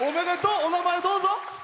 お名前、どうぞ。